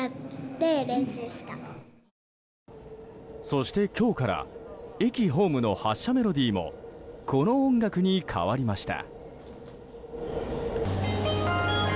そして今日から駅ホームの発車メロディーもこの音楽に変わりました。